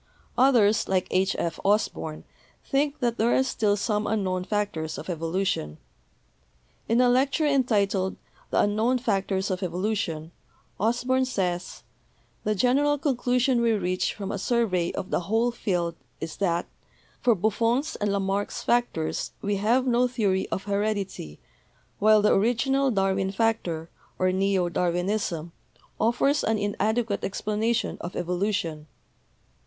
Others, like H. F. Osborn, think that there are still some unknown factors of evolution. In a lecture entitled 'The Unknown Factors of Evolution' Osborn says : "The general conclusion we reach from a survey of the whole field is, that for Buffon's and Lamarck's factors we have no theory of heredity, while the original Darwin factor, or neo Darwinism, offers an inadequate explanation of evolution.